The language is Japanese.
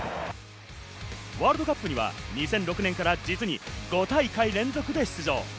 ワールドカップには２００６年から実に５大会連続で出場。